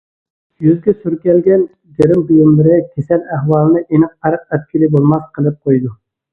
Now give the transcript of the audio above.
يۈزگە سۈركەلگەن گىرىم بۇيۇملىرى كېسەل ئەھۋالىنى ئېنىق پەرق ئەتكىلى بولماس قىلىپ قويىدۇ.